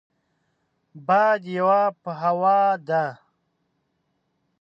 باديوه په هوا ده.